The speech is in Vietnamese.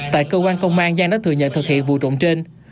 tại cơ quan công an giang đã thừa nhận thực hiện vụ trộm trên